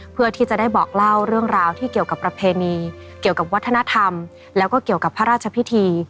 เพื่อที่จะได้บอกเล่าเรื่องราวที่เกี่ยวกับประเพณีเกี่ยวกับวัฒนธรรมแล้วก็เกี่ยวกับพระราชพิธี